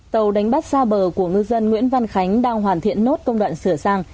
tàu đánh bắt xa bờ của ngư dân nguyễn văn khánh đang hoàn thiện nốt công đoạn sửa sang